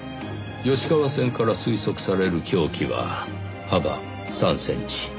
吉川線から推測される凶器は幅３センチ。